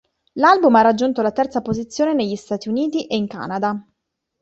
L'album ha raggiunto la terza posizione negli Stati Uniti e in Canada.